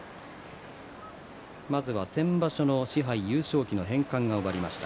まずは先場所の賜盃優勝旗の返還が終わりました。